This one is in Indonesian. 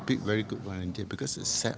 anda memiliki penyelidikan yang sangat baik